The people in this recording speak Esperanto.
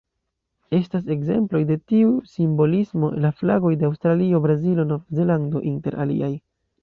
Estas ekzemploj de tiu simbolismo la flagoj de Aŭstralio, Brazilo, Novzelando, inter aliaj.